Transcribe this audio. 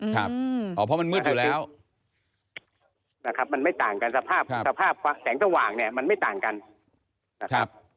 เพราะมันมืดอยู่แล้วนะครับมันไม่ต่างกันสภาพสภาพแสงสว่างเนี่ยมันไม่ต่างกันนะครับ